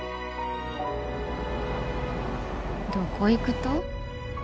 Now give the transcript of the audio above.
どこ行くと？